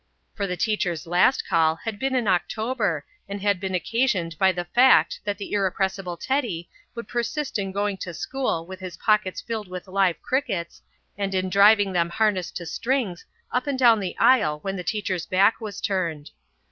For the teacher's last call had been in October and had been occasioned by the fact that the irrepressible Teddy would persist in going to school with his pockets filled with live crickets and in driving them harnessed to strings up and down the aisle when the teacher's back was turned.